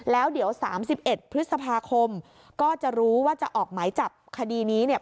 แล้วเดี๋ยว๓๑พฤษภาคมก็จะรู้ว่าจะออกหมายจับคดีนี้เนี่ย